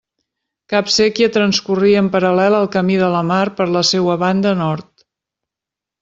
Cap séquia transcorria en paral·lel al camí de la Mar per la seua banda nord.